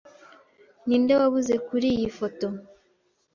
Ninde wabuze kuriyi foto?